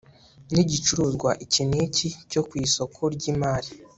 n igicuruzwa iki n iki cyo ku isoko ry imari